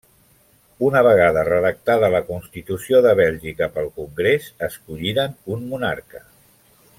Una vegada redactada la Constitució de Bèlgica pel congrés, escolliren un monarca.